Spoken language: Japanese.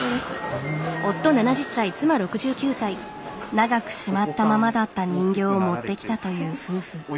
長くしまったままだった人形を持ってきたという夫婦。